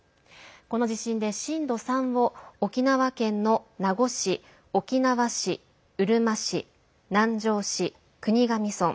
この地震で震度３を沖縄県の名護市沖縄市、うるま市南城市、国頭村。